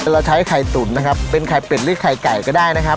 เราใช้ไข่ตุ๋นนะครับเป็นไข่เป็ดหรือไข่ไก่ก็ได้นะครับ